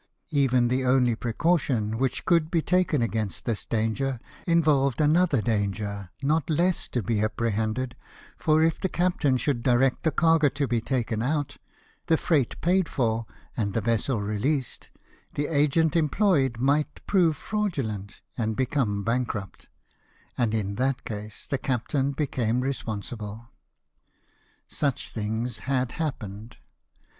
Even the only precaution which could be taken against this danger involved another danger not less to be apprehended, for if the captain should direct the cargo to be taken out, the freight paid for, and the vessel released, the agent employed might prove fraudulent and become bankrupt, and in that case the captain became responsible. Such things had happened.